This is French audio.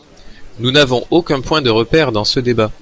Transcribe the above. Nous n’avons aucun point de repère dans ce débat.